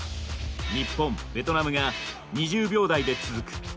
日本ベトナムが２０秒台で続く。